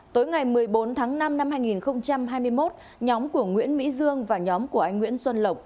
tối ngày một mươi bốn tháng năm năm hai nghìn hai mươi một nhóm của nguyễn mỹ dương và nhóm của anh nguyễn xuân lộc